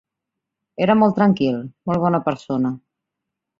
Era molt tranquil, molt bona persona.